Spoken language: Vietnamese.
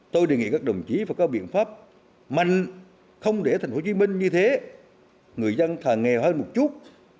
tôi đề nghị các đồng chí phải có biện pháp mạnh không để tp hcm như thế người dân thà nghèo hơn một chút